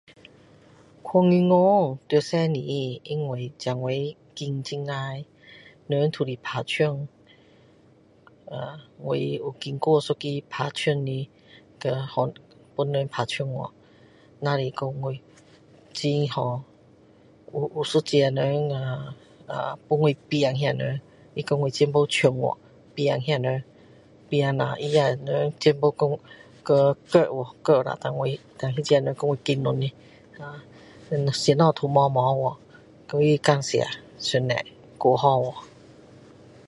去银行要小心因为现在景很坏人都是打枪我有经过一个打枪的跟被人打枪去只是说我很好有一个人呀帮我追那个人他把我钱包抢去追那个人追下那个把那个钱包丢掉丢下然后我然后那个人帮我捡回来啊什么都没有不见去所以感谢上帝太好了